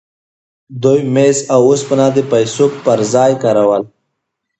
دوی مس او اوسپنه د پیسو پر ځای کارول.